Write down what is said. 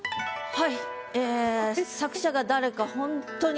はい。